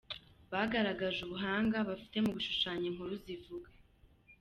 Bagaragaje ubuhanga bafite mu gushushanya inkuru zivuga.